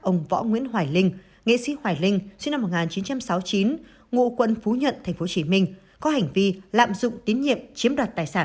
nghệ sĩ hoài linh sinh năm một nghìn chín trăm sáu mươi chín ngụ quận phú nhận tp hcm có hành vi lạm dụng tín nhiệm chiếm đoạt tài sản